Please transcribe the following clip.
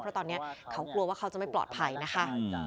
เพราะตอนนี้เขากลัวว่าเขาจะไม่ปลอดภัยนะคะ